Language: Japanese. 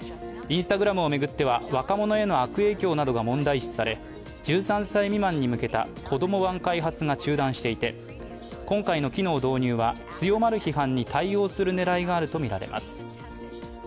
Ｉｎｓｔａｇｒａｍを巡っては、若者への悪影響などが問題視され、１３歳未満に向けた子供版開発が中断していて今回の機能導入は強まる批判に対応する狙いがあるとみられます。